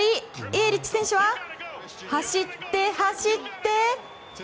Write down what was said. イエリッチ選手は走って、走って。